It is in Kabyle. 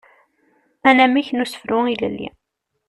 Anamek n usefru ilelli.